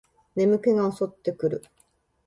眠気が襲ってくる